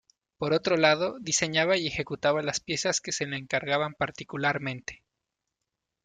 Por otro lado, diseñaba y ejecutaba las piezas que se le encargaban particularmente.